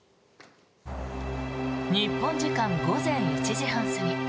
日本時間午前１時半過ぎ